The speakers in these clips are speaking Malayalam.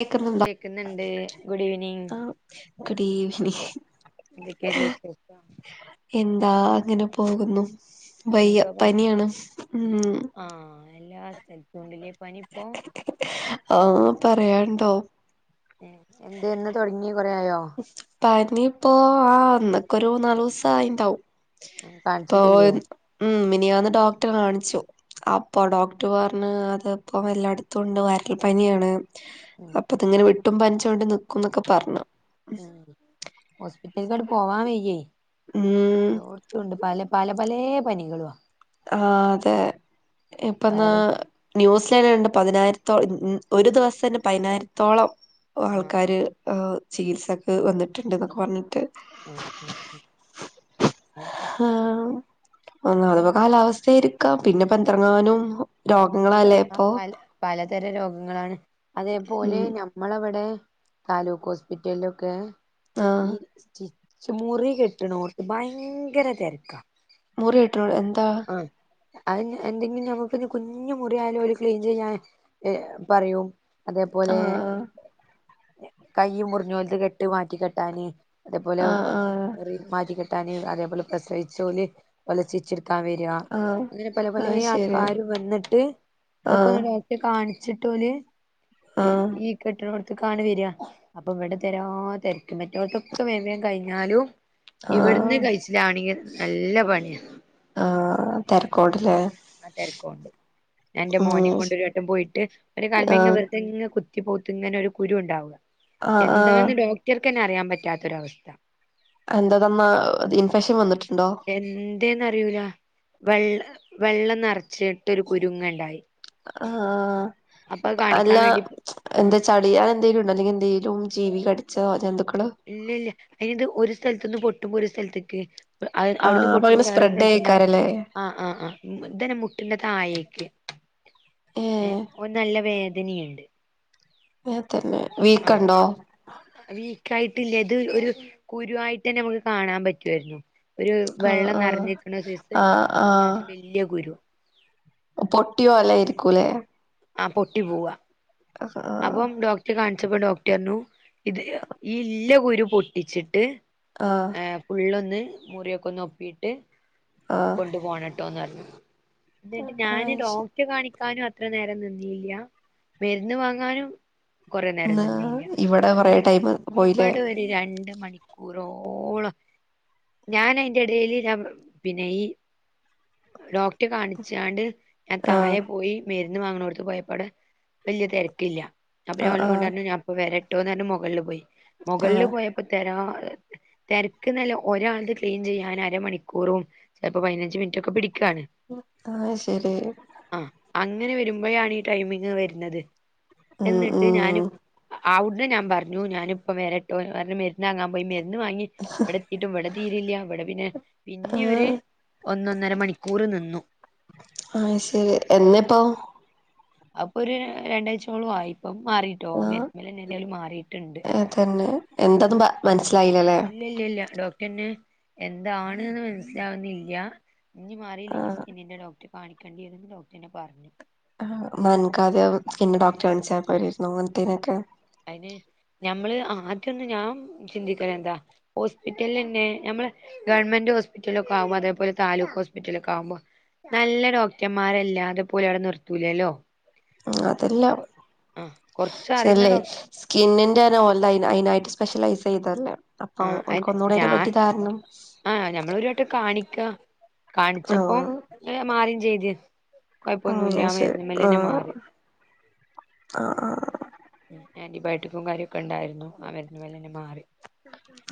കേക്കുന്നുണ്ടോ കേക്ന്ണ്ട് ഗുഡ് ഈവനിങ്. ഗുഡ്ഈവനിങ്. എന്ത ക്കെണ്ട് വിശേഷം. എന്താ അങ്ങനെ പോകുന്നു വയ്യ എന്തുവാ പണി പനിയാണ് മം. ആഹ് എല്ലാ സ്ഥലത്തുണ്ടല്ലേ പനിപ്പോ ആഹ് പറയാണ്ടോ എ എന്ത് ന്നാ തുടങ്ങി കൊറേ ആയോ. പനിപ്പോ ആഹ് ന്നക് ഒരു മൂന്നല്സോം ആയിണ്ടാവും. പ്പൊ കാണിച്ചിട്ടില്ലേ മം മിനിയാന്ന് ഡോക്ടറെ കാണിച്ചു. അപ്പൊ ഡോക്ടർ പറഞ് അത്പ്പോ എല്ലാടത്തും ണ്ട് വൈരൾ പനിയാണ്ന്ന് ഉം അപ്പൊ ഉം അത് ങ്ങനെ വിട്ടും പനിച്ചോണ്ടും നിക്കുന്നൊക്കെ പറഞ്ഞു. ആഹ് ഹോസ്പിറ്റൽക് ആട് പോവാൻ വെയ്യേ. മം. ല്ലോട്ത്തുണ്ട് പല പല പലെ പനികളു ആ. ആഹ് അതെ ഇപ്പന്നാ വൈറൽ ന്യൂസന്നേ ണ്ട് പതിനായിരത്തോളം ഒരു ദിവസം ന്നേ പതിനായിരത്തോളം ആഹ് ആൾക്കാര് ചികിത്സക് വന്നിട്ട്ണ്ട് ന്നൊക്കെ പറഞ്ഞിട്ട് ആഹ് ആഹ് അ. ഒന്നാമത് കാലാവസ്ഥയ അഇരിക്കാ പിന്നെ പന്ത്രങ്ങാനും അ അ പല പലതരം രോഗങ്ങളാണ് അതേപോലെ ഉം ഞ നമ്മളവിടെ താലൂക്ക് ഹോസ്പിറ്റൽ ലൊക്കെ ആഹ് ഈ സ്റ്റി മുറി കെട്ട്ണോർത്ത് ഭയങ്കര തരക്ക. മുറി ഇട്ടോട് എന്താ. ആ അത് എന്തെങ്കിലും നമ്മക്കിത് കുഞ്ഞു മുറിയായാലും ഒരു ക്ലീൻ ചെയ്യാൻ ഏ പറയൂം. അതേപോലെ ആഹ് കൈ മുറിഞ്ഞോലത്ത് കെട്ട് മാറ്റി കെട്ടാന്. അതേപോലെ ആഹ് ആഹ് മുറി മാറ്റി കെട്ടാന് അതേപോലെ പ്രസവിച്ചോല് ഒല ചീച്ചെടുക്കാന്. ആഹ് അങ്ങനെ പല പല ആഹ് ശരി ആൾക്കാര് വന്നിട്ട് ഇതൊക്കെ ആഹ് കാണിച്ചിട്ട് ഓല് ആഹ് ഈ കെട്ടിണോട്ത്ത് കാണ് വോര അപ്പൊ ഇവിടെ തിരാ തിരക്കും മറ്റോടത്തൊക്കെ വേഗം കഴിഞ്ഞാലും. ഇവിടുന്ന് ആഹ് കഴിച്ചിലാണെങ്കി നല്ല പണിയാ. ആ തരക്കോട്ല്ലൊ. ആ തിരക്കുണ്ട് എന്റെ മോനും കൊണ്ടരു വട്ടം പോയിട്ട്. ഒരു കൽമ ഇ ആഹ് വെറുതോ റ്റ പോത്തങ്ങനെ ഒരു കുരു ഉണ്ടാവുക ആഹ് ആഹ് എന്താന്ന് ഡോക്ടർക്ക് തന്നെ അറിയാൻ പറ്റാത്തൊരവസ്ഥ. എന്താ തന്നാ മ ഇൻഫെക്ഷൻ വന്നിട്ടുണ്ടോ? എന്തേന്ന് അറിയൂല വെള്ള വെള്ളം നറച്ചിട്ട് ഒരു കുരുങ്ങണ്ടായി. ആഹ അപ്പൊ അത് അല്ല കാണിക്കാൻ വേണ്ടി പോ ആ എന്താ ചട് അളിയാൻ എന്തെങ്കും ഉണ്ടോ അല്ല എന്തെങ്കിലും ജീവി കടിച്ചോ ജന്തുക്കള് ഇല്ല ഇല്ല അതായത് ഒരു സ്ഥലത്തൊന്ന് പൊട്ടുമ്പോ ഒരു സ്ഥലത്തേക്ക് അവിടുന്ന് ആഹ് അപ്പൊ പൊട്ടുമ്പോ അങ്ങനെ വേറെ സ്പ്രെഡ് സ്ഥലത്തി ണ്ടാവും ആയേക്കാരല്ലേ ആഹ് ആഹ് ആഹ് ഇതനമുട്ടിന്റെ താഴേക്ക് ഏഹ് ഒന് നല്ല വേദനയുണ്ട് ത്തന്നെ ആഹ് വീക്കണ്ടോ വീക്കായിട്ടില്ല ഇത് ഒരു കുരുവായിട്ട് തന്നെ നമുക്ക് കാണാൻ പറ്റുവാരുന്നു ഒരു ആഹ് വെള്ളം ആഹ് നിറഞ്ഞിരിക്കുന്ന സൈസ് ആഹ് അത്യാവശ്യം വലിയ കുരു പൊട്ടിയോലാ ഇരിക്കും ലേ ആഹ് പൊട്ടി പോവുക ആഹ് ആഹ് അപ്പം ഡോക്ടർ കാണിച്ചപ്പോ ഡോക്ടർ പറഞ്ഞു ഇത് ഈ ഇല്ല കുരു പൊട്ടിച്ചിട്ട് ആഹ് ഫുള്ളൊന്ന് മുറിയൊക്കെ ഒന്ന് ഒപ്പിയിട്ട് ആഹ് കൊണ്ടു പോണംട്ടോന്ന് പറഞ്ഞു എന്നിട്ട് ആഹ് ഞാന് ശരി ഡോക്ടർ കാണിക്കാനും അത്ര നേരം നിന്നില്ല മരുന്ന് വാങ്ങ ങ്ങാനും കുറെ നേരം എന്നാ നിന്നില്ല ഇവിടെ കൊറേ ടൈം പോയില്ലേ ഇവിട രണ്ട് മണിക്കൂറോളം ഞാൻ അയിന്റെ ഇടയിൽ പിന്നെ ഈ ഡോക്ടറെ കാണിച്ചാണ്ട് ഞാൻ ആഹ് തായെ പോയി മരുന്ന് വാങ്ങണോടുത്ത് പോയപ്പോടെ വലിയ തിരക്കില്ല അപ്പൊ ആഹ് ആഹ് ഞാൻണ് ഞാൻപ്പ വരട്ടോന്ന് പറഞ്ഞു മുകളില് പോയി മുകളില് ആഹ് പോയപ്പോ തെനോ തിരക്ക് എന്നല്ല ഒരാളത് ക്ലീൻ ചെയ്യാൻ അരമണിക്കൂറും ചിലപ്പോ പതിനഞ്ച് മിനിറ്റ ഒക്കെ പിടിക്കാണ് ആഹ് ശരി ആഹ് അങ്ങനെ വരുമ്പോഴാണ് ഈ ടൈമിങ് വരുന്നത് ഉം എന്നിട്ട് ഉം ഞാനും ആഹ് അവിടന്ന് ഞാൻ പറഞ്ഞു ഞാനിപ്പ വരാട്ടോ മരന്ന് വാങ്ങാൻ പോയി മരുന്ന് വാങ്ങി എവിടെത്തിട്ടും ഇവിടെ തീരില്ല എവിടെ പിന്നെ പിന്നെ ഒര് ആഹ് ഒന്നൊന്നര മണിക്കൂർ നിന്നു അത് ശരി എന്നിപ്പോ അപ്പൊ ഒരു രണ്ടാഴ് ചോളം ആയി ഇപ്പം മാറിട്ടോ ആഹ് മരുന്ന് എന്നെ എന്താലും മാറിയിട്ടുണ്ട് തന്നെ എന്തന്നും മനസ്സിലായില്ലല്ലേ ഇല്ല ഇല്ല ഇല്ല ഡോക്ടറിന് എന്താണ്ന്ന് മനസിലാവുന്നില്ല ഇനി മാറില്ലെങ്കിൽ ആഹ് സ്കിന്നിന്റെ ഡോക്റെ കാണിക്കണ്ടി വരും ഡോക്ടറന്നെ പറഞ്ഞു എന്ന അനക്ക് ആദ്യയം സ്കിൻ ഡോക്ടറെ കാണിച്ചാൽ പോരാരുനോ അങ്ങനത്തേനൊക്കെ അതിന് ഞമ്മള് ആദ്യം ഒന്ന് ഞാൻ ചിന്തിക്കല എന്താ ഹോസ്പിറ്റല തന്നെ നമ്മള് ഗവൺമെൻ്റ് ഹോസ്പിറ്റല ഒക്ക ആകുമോ അതേ പോലെ താലൂക്ക് ഹോസ്പിറ്റലൊക്കെ ആകുമ്പോ നല്ല ഡോക്ടർമാരില്ലാതെ പോലെ അവിടെ നിർത്തൂലല്ലോ ഉം അതെല്ലാം ആഹ് കൊറച്ച് അറിയുന്ന ചെല്ലെ ഡോക് സ്കിന്നിന്റെരോൽതയ്നാ അയ്‌നായിട്ട് സ്പെഷ്യലൈസെയ്തല്ലേ അപ്പൊ ആഹ് ഓൽക്കൊന്നൂടയ്ന്റെ ഞാൻ പറ്റിധാരണം ആഹ് ഞമ്മൾ ഒരുവട്ടം കാണിക്ക കാണിച്ചപ്പ ആഹ് മാറിം ചെയ്ത് കൊയ്പ്പൊന്നുല്ല ആഹ് ശരി മര്ന്ന്മ്മലെന്നെ ആഹ് മാറി ആഹ് ആന്റിബയോട്ടിക്കും കാര്യോക്കെ ഉണ്ടായിര്ന്നു ആഹ് മര്ന്ന്മ്മലെന്നെ മാറി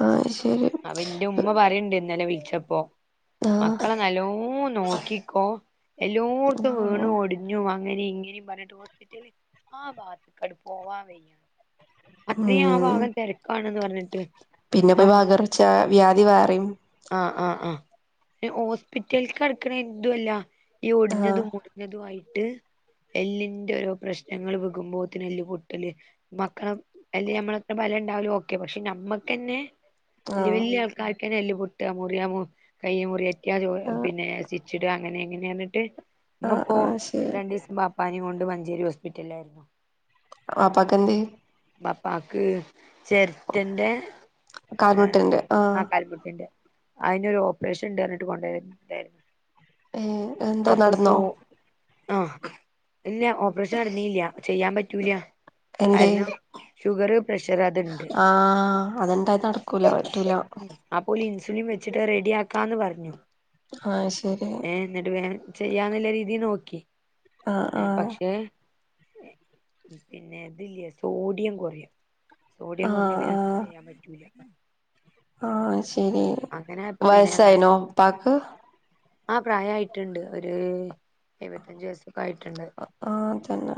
ആഹ് ശരി അപ്പ ന്റെ ഉമ്മ പറിണ്ട് ഇന്നലെ വിൾച്ചപ്പോ മക്കളെ നല്ലോം നോക്കിക്കോ എല്ലോർത്തും വീണു ആഹ് ഓ ടിഞ്ഞു അങ്ങനി ഇങ്ങനിം പർഞ്ഞിട്ട് ഹോസ്പിറ്റൽ ആഹ് ഭാത്ത്ക്കട് പോവാൻ വയ്യ. അത്രേ ആഹ് ഉം ഭാഗം തെരക്കാണ്ന്ന് പർഞ്ഞിട്ട് അം ച വ്യാധി വേറിം ആഹ് ആഹ് ആഹ് ഹോസ്പിറ്റൽ കട്ക്ക്ണതു അല്ല ഈ ആഹ് ഒട്ഞ്ഞതും ഇതുവായിട്ട് എല്ലിന്റെ ഓരോ പ്രശ്നങ്ങൾ വ്കുമ്പോത്തിനെല്ല് പൊട്ടല് മക്കള അല്ലെ നമ്മളത്ര ബലം ഉണ്ടായാലു ഓക്കെ പക്ഷെ ഞമ്മക്കെന്നെ ല്ല്യ ആഹ് വല്ല്യ ആൾക്കാർക്കെന്നെ എല്ല് പൊട്ട മുറ്യ മു കൈയ്യ് മുറ്യറ്റ്യ ചോര ആഹ് പിന്നെ സ്റ്റിച്ചിട് അങ്ങനെ ങ്ങനെർന്നിട്ട് മ്മ ആഹ് പ്പോ ആഹ് ശരി രണ്ടീസം ബാപ്പാനിം കൊണ്ട് മഞ്ചേരി ഹോസ്പിറ്റൽലായിര്ന്നു വാപ്പാക്കെന്തേ ബാപ്പാക്ക് ചെര്റ്റന്റെ കാൽമുട്ട്ന്റെ ആ അ കാൽമുട്ട്ന്റെ അയ്നൊരു ഓപ്പറേഷൻ ണ്ട് അർഞ്ഞിട്ട് കൊണ്ടോയതേനി ഏഹ് എന്താ അപ്പൊ സോ നടന്നോ ആഹ് ഇല്ല്യ ഓപ്പറേഷൻ നട്ന്നീല്ല്യ ചെയ്യാൻ പറ്റൂല എന്തേ കാരണം ഷുഗറും പ്രഷർ അതുണ്ട് ആഹ് അതെന്തായാലും നട്ക്കൂല പറ്റൂല അപ്പോല് ഇൻസുലിൻ വെച്ചിട്ട് റെഡ്യാക്കാന്ന് പർഞ്ഞു ഹാ ശരി എന്നിട്ട് വേം ചെയ്യാന്ന്ള്ള രീതീ നോക്കി ആഹ് ഏ ആഹ് പക്ഷേ പിന്നെ തില്ല്യെ സോഡിയം കൊറിം സോഡിയം കൊർഞാ ആഹ് പിന്നെന്തും ആഹ് ചെയ്യാൻ പറ്റൂല ആഹ് ശരി അങ്ങനായപ്പോ പിന്നെ ഞങ്ങള് വയസായിണോ പ്പാക്ക് ആ പ്രായായിട്ട്ണ്ട് ഒരു എഴ് വത്തഞ്ച് വയസൊക്കാ യിട്ട്ണ്ട് ആഹ് തന്നെ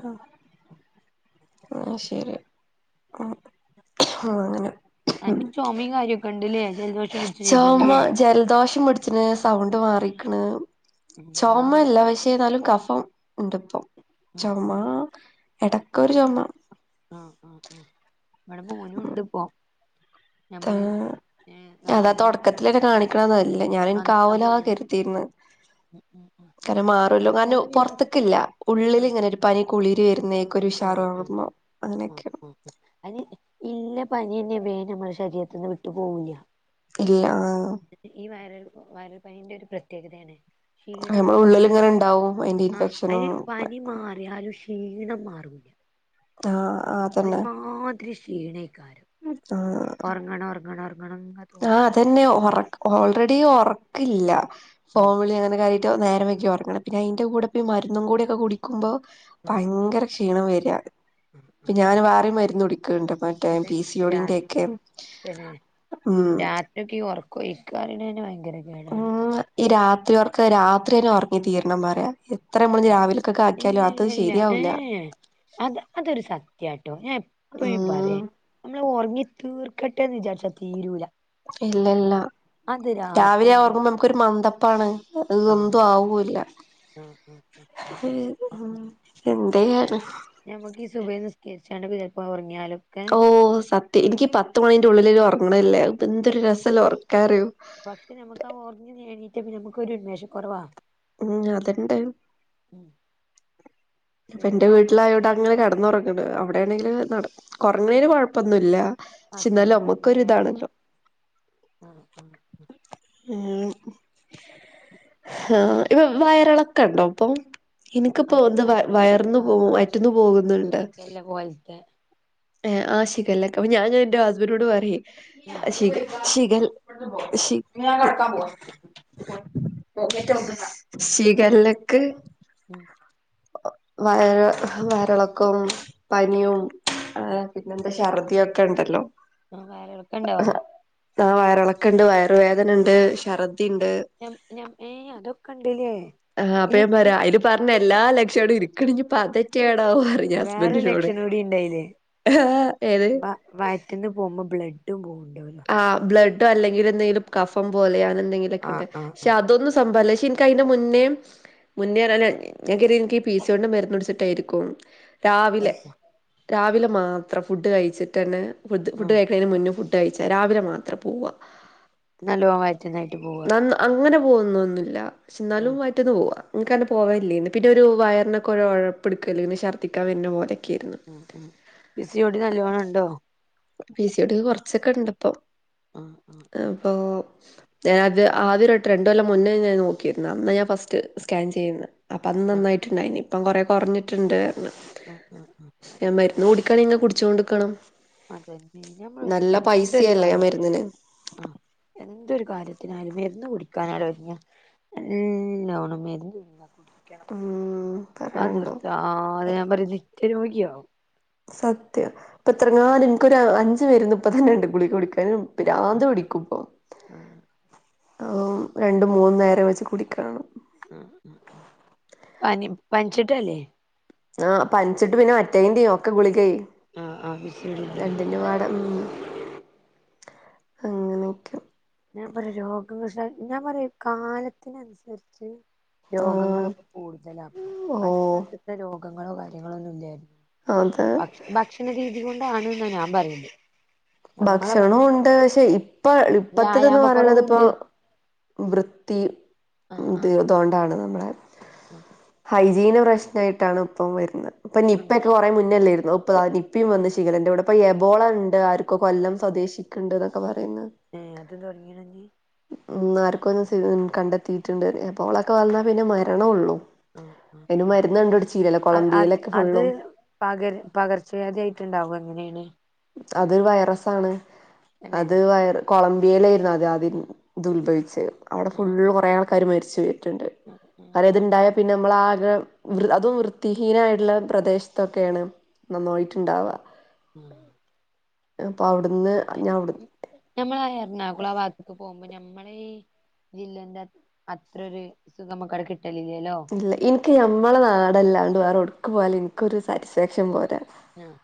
ആ ശരി അ അങ്ങനെ മ് അൻക്ക് ചുമയും കാര്യൊക്കെ ഉണ്ട്ല്ലേ ജലദോഷം പിടിച്ച് ചൊമ ചെയ്തണ്ല്ലേ ജൽദോഷം പിട്ച്ചിണ് സൗണ്ട് മാറി ക്ക്ണ് എന്താ ചൊമ ഇവിടെ ല്ല പക്ഷേ ന്നാലും കഫം ണ്ട്പ്പം ആ ചൊമ എടക്കൊരു ചൊമ ആ ആ ആ വടെ മോനും ണ്ട് പ്പോ താ അതാ നാളെ ഇനി തൊട്ക്കത്തിലെന്നെ കാണിക്ക്ണ നല്ലെ ഞാനിന്കാവൂലാ കര്തിര്ന്ന് മ് മ് ക്കാര മാറല്ലോ കാര്ണം പൊർത്ത്ക്കില്ല ഉള്ളില് ആഹ് ങ്ങനെ ര് പനി കുളിര് വര്ന്നേക്കൊരു ആഹ് ഉം ഉഷാറാകുമ്പോ അങ്ങനെക്ക്യാ [inaudible] അയ്ന് ഇല്ല പന്യന്നെ വേം ഞമ്മളെ ശരീരത്ത്ന്ന് വിട്ട് പോവില്ല്യ ഇല്ലാ ഈ വയറൽ വയറൽ പനിന്റൊരു പ്രത്യേകതേണ് ക്ഷീണം നമ്മള ഉള്ളിൽ മാറാന് ഇങ്ങനെ ഉണ്ടാവും അതിന്റെ ആ ഇൻഫെക്ഷനും അയ്ന് പനി മാറ്യാലു ക്ഷീണം മാറൂല ആഹ് ആ ഒരുമാതിരി ക്ഷീണേക്കാരം ആഹ് ആണോർങ്ങണം ഒർങ്ങണം ന്ന് ആഹ് അതെന്നെ ഒറക് ഓൾറെഡി ഒറക്കില്ല ആഹ് ഫോൺവിളി അങ്ങനെക്കായി റ്റൊ നേരം വൈക്യാ ഒർങ്ണേ പിന്നെ അയ്ന്റെ കൂടെപ്പോ ഈ മര്ന്നും കൂടി ഒക്കെ കുടിക്കുമ്പോ ആഹ് ഭയങ്കര ക്ഷീണം വര്യാ ഞാൻ വേറിം മര്ന്നുടിക്ക്ണ്ട് പ തെ രാ തെന്നെ ഉം രാത്രിയൊക്കെ ഈ ഒറക്കൊയിക്ക റിണെന്നെ ഭയ ങ്കര കേടാണ് ഉം ഈ രാത്രിയൊർക്കം രാത്രിയെന്നെ ഒറങ്ങി തീരണം പറ്യ മ് ഇല്ല ല്ല ല്ല്യ ഏഹേ അത് അതൊരു സത്യട്ടോ ഞാൻ എപ്പഴും പറിം ഉം ഞമ്മള് ഒർങ്ങി തീർക്കട്ടെ ന്ന് വിചാരിച്ചാ തീരൂല ഇല്ല ല്ല അത് രാത്രി രാവിലെ ന്നെ ഒർങ്ങുമ്പോ നമുക്കൊരു മന്ദപ്പാണ് ഹ് എന്തും ആവുല്ല അഹ് അഹ് അഹ് ഉം ഉം എന്തെയ്യാണ് ഞമ്മക്കീ സുബഹി നിസ്കര്ച്ചാണ്ട് ക്ക [unintelligible] ൽപ്പ് ഒറ്ങ്ങ്യാലും. ഓ സത്യ. ഇന്ക്കീ പത്ത് മണിന്റെ ഉള്ളിലൊര് ഒർങ്ങണെല്ലേ അഹ്പ്പൊ ന്തൊരു രസല്ല ഒർക്കാറ്യൊ. പക്ഷെ ഞമ്മക്ക് അഹ് ഒർങ്ങി എണീറ്റ പിന്നെ ഞമ്മക്കൊരു ഉന്മേഷകൊറവാ. ഉം അത് ഇണ്ട് ഇപ്പന്റെ വേഗം വീട്ടിലായ ഇങ്ങനെ കട്ന്നൊറങ്ണ്. അവിടേണെങ്കില് നട് ഒറ്ങ്ങ്ണേന് കൊഴപ്പൊന്നുല്ല. പക്ഷെ എന്നാലും ഹസ്ബന്റിന്റെ വീട്ടില് ലെ നമ്മുക്കൊരിതാണല്ലോ ആഹ് ആഹ് ആഹ്. ഉം ഹാ ഇപ്പ വയറിളക്ക ഇണ്ടോ ഇപ്പം ഇന്ക്ക്പ്പോ അത് ഒന്ന് വ ആശി വയർന്നു ആ പോ ആ വയറ്റ്ന്നു പോവുന്ന്ണ്ട്. ശിഖല്ല പോലത്തെ ഏഹ് ആ ശിഖല്ലൊക്കെ. അപ്പ ഞാൻ ഇങ്ങനെ ഇന്റെ ഹസ്ബന്റ്നോട് പറ്യെ ആ ശിഖ ശിഖ ഷി [unintelligible] [unintelligible] [unintelligible] ശീഖല്ലക്ക് ഉം വയറ വയറളക്കം പനിയും ആ ആഹ് പിന്നെന്താ ഛർദിയൊക്കെ ഇണ്ടല്ലോ. ആ വയറിളക്കണ്ടോ ആ വയറെളക്കണ്ട് വയറുവേദനണ്ട് ഛർദ്ദി ഇണ്ട്. ഞം ഞം ഏഹ് അതൊക്കെ ഇണ്ട് ലേ. ആഹ് അപ്പഞാൻ പറ്യ അയ്ല് പർഞ്ഞല്ലാ ലക്ഷണും ഇൻക്ക്ട്. ഇഞ് പ്പതറ്റേണാവൊ. വേറെ ലക്ഷണൂടി ഇണ്ടയ്ല്. ഏത് വ വയറ്റ്ന്ന് പോകുമ്പോ ബ്ലഡും പോവ്ണ്ടോലൊ. ടൊ അല്ലെങ്കില് എന്തെങ്കിലും എന്തേലും കഫം പോലെ അങ്ങനെ എന്തെങ്കിലൊക്കെ ആഹ് ഇട്ട് ആഹ് ക്ഷേ അതൊന്നും സംഭവല്ല ക്ഷേ ഇന്ക്കയിന്റെ മുൻ ന്നേം മുന്നേ അർഞാല് ഞാൻ കെർധി ഇൻക്കി പി സ്യോടിന്റെ മര്ന്ന് കുട്ച്ചിട്ടായിരിക്കും. രാവിലെ ആഹ് രാവിലെ മാത്രം ഫുഡ് കഴിച്ചിട്ടെന്നെ. ഫുദ് ഫുഡ് ആഹ് കഴിക്ക്‌ണേന്റെ മുന്ന് [unintelligible] ഡയിച്ച രാവിലെ മാത്രം പോവ നല്ലോം വയറ്റ്ന്നായിട്ട് പോവ അങ്ങനെ പോവുന്നൊന്നുല്ല ക്ഷെ ന്നാലും. ആഹ് റ്റ്ന്ന് പോവാ. ഇൻക്കന്നെ പോവേല്ലേന്ന് പിന്നൊരു വയർനൊക്കൊ രൊയപ്പ്‌ട്ക്കല് ന്നെ ശർദിക്കാ വര്ന്ന പോലെ. അഹ് അഹ് പി സി ഓടി നല്ലോണം ഇണ്ടോ. പി സി ഓടി കൊർച്ചൊക്കെ ഇണ്ട്പ്പം. ആഹ് ആഹ് ആഹ് ഇപ്പോ ഞാത് ആദ്യൊരട്ടം രണ്ടൊല്ലം മുന്നേ ഞാൻ നോക്കിരുന്നു അന്ന് ഞാൻ. ഫസ്റ്റ് സ്കാൻ ചെയ്യുന്നെ അപ്പം അന്ന് ആഹ് നന്നായിട്ട്ണ്ടായിനി. ഇപ്പം കൊറേ കൊർഞ്ഞിട്ട്ണ്ട്. അഹ് അഹ് അഹ് ഞാൻ മര്ന്ന് കുടിക്കാണെങ്കി ഇങ്ങെനെ കുടിച്ചോണ്ട്ക്കണം. അതെന്നെ ഞമ്മള് നല്ല എന്തൊരു പൈസയല്ലേ ആ കാര്യം. മരുന്നിന് ആ എന്തൊരു കാര്യത്തിനായാലും മരുന്ന് കുടിക്കാനാനാണ്ട് ഒര്ങ്ങ്യ. നല്ലോണം മെര്ന്ന്ങ്ങനെ കുടി ക്ക്യണം. ഉം ആ പറയാണ്ടോ നിർത്താതെ ഞാൻ പറ്യ നിത്യ രോഗിയാവും. സത്യം ഇപ്പ എത്രങ്ങാനും ഇൻക്കൊരു അഞ്ച് മര്ന്ന് ഇപ്പ തന്നെ ഇണ്ട്. ഗുളിക കുടിക്കാനും. ആഹ് പിരാന്ത്‌ പിടിക്കും ഇപ്പൊ. ആ ഹു രണ്ട് മൂന്ന് നേരം വെച്ച് കുടിക്കണം. അഹ് അഹ് ആഹ് പനി പനിച്ചിട്ടെല്ലേ ആഹ് പനിച്ചിട്ട് പിന്നെ മറ്റേയ്ന്റെ ഒക്കെ ഗുളികെ ആഹ് ആഹ് പി സി ഓ ഡി ഉണ്ട് രണ്ടിന്റെ പാടെ ഉം അങ്ങനൊ ഒക്കെ ഞാൻ പറയാ രോഗവഷ ഞാൻ പറയാ കാലത്തിനനുസരിച്ച്. ആ രോഗങ്ങളൊക്കെ കൂടുതലാഇപ്പൊ. ഓ പണ്ട് കാലത്ത്ത്തെ രോഗങ്ങളോ കാര്യങ്ങളോ ഒന്നുല്ലായിരുന്നു. അതെ ഭക്ഷ ഭക്ഷണ രീതി കൊണ്ടാണ് ഇന്നാ ഞാൻ പറയല്. നമ്മളെ ഭക്ഷണോണ്ട് പക്ഷെ, ഇപ്പൊ ഇപ്പത്തത് ന്ന് വ്യായാമ പറയണതിപ്പൊ കൊറവുണ്ട് വൃത്തി, ആഹ് ഇത് ആഹ് തോണ്ടാണ് നമ്മളെ ആഹ് ഹൈജീന് പ്രശ്നായിട്ടാണ് ഇപ്പം വരുന്നത്. ഇപ്പൊ ആഹ് നിപ്പക്കെ കൊറേ മുന്നെല്ലേര്ന്നോ? ഇപ്പൊ ആഹ് നിപ്പിം വന്ന് ശിഗല്ലന്റെ കൂടെ. ഇപ്പൊ എബോളണ്ട് ആർക്കോ കൊല്ലം സ്വദേശിക്ക്ണ്ട് ന്നൊക്കെ പറയുന്ന് ഏഹ് അതും തൊട്ങ്ങീണൊഞ്ഞ് ഉം ആർക്കോ ഒന്ന് കണ്ടെത്തീട്ട്ണ്ട്. എബോളൊക്കെ വന്നാ പിന്നെ മരണൊള്ളൂ. ആഹ് ആഹ് അയ്ന് മരുന്ന് കണ്ടുട്ച്ചീല്ലല്ലോ, കൊളംബിയലൊക്കെ ഫുള്ളും പകര് പകർച്ചവ്യാധി ആയിട്ട്ണ്ടാവു അങ്ങനേണ്. അത് വൈറസാണ്. തന്നെ അത് വൈറ് കൊളംബിയിലേര്ന്നു അത് ആദ്യം ഇത് ഉത്ഭവിച്ചത്. അവടെ ഉം ഫുള്ള് ഉം കൊറേ ആൾക്കാര് മരിച്ചുപോയിട്ട്ണ്ട്. ഉം [unintelligible] ഉം ഇത്ണ്ടായ പിന്നെ നമ്മളാകെ, വൃ അതും വൃത്തിഹീനമായിട്ട്ള്ള പ്രദേശത്തൊക്കേണ്. നന്നായിട്ട്ണ്ടാവാ [unintelligible] അപ്പൊ അവ്ട്ന്ന് ഞാ അവ്ട് ഞമ്മളാ എറണാകുളം ആ ഭാഗത്ത്ക്ക് പോകുമ്പോ, ഞമ്മളെ ഈ ജില്ലന്റെ അത്രൊര് സുഖമ്മക്കവടെ കിട്ടലില്ലല്ലോ. ഇല്ല, ഇൻക്ക് ഞമ്മളെ നാടല്ലാണ്ട് വേറെവ്ട്ക്ക് പോയാലും ഇൻക്കൊര് സാറ്റിസ്ഫാക്ഷൻ പോരാ. ആഹ്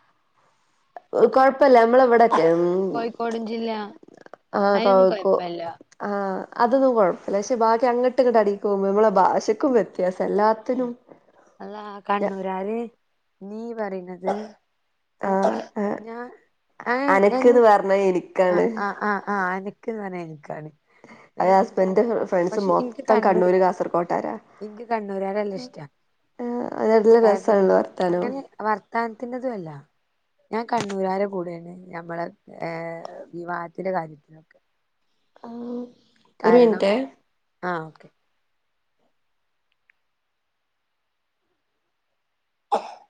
കൊഴപ്പല്ല കോ നമ്മളെവ്ടൊക്കെ, മ് കോഴിക്കോടും ജില്ല ആ അയിനൊന്നും കോഴ്കോ കൊഴപ്പല്ല ആഹ്, അതൊന്നും കൊഴപ്പല്ല. ക്ഷെ ബാക്കി അങ്ങട്ട്ങ്ങട്ട് അടീക്ക് പോവുമ്പോ, നമ്മളെ ഭാഷക്കും വ്യത്യാസം എല്ലാ അല്ലാ കണ്ണൂരാര് നീ പറയുന്നത് ഏഹ് ആഹ് ആഹ് ഞാൻ ഏഹ് അനക്ക്ന്ന് എന്ത് പറഞ്ഞ അ എനിക്കാണ് അ അ ആഹ് അന ക്ക് ന്നർഞ്ഞാ ഇൻക്കാണ് അത് ഏഹ് ഹസ്ബൻന്റെ ഫ്രണ്ട്സ് പക്ഷെ ഇൻക്ക് മൊത്തം കണ്ണൂര്, കാസർകോട്ടാരാ ഇൻക്ക് കണ്ണു രാരെ നല്ല ഇഷ്ട. ആഹ് അത് നല്ല [unintelligible] രസാണല്ലോ വർത്താനം അങ്ങനെ വർത്താനത്തിന്റെതു അല്ല ഞാൻ കണ്ണൂരാരെ കൂടേണ്, ഞമ്മളെ വിവാഹത്തിന്റെ കാര്യത്തിലൊക്കെ [unintelligible] ഒരു കാരണം മിനിറ്റേ ആഹ് ഓക്കെ. [inaudible]